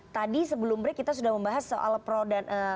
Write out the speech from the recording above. tadi sebelum break kita sudah membahas soal pro dan